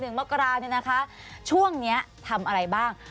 หนึ่งเมื่อกราวช่วงนี้ทำอะไรบ้าง